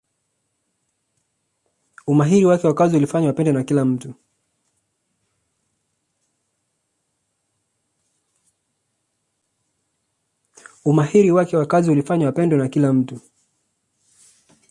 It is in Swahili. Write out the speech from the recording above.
umahili wake wa kazi ulifanya apendwe na kila mtu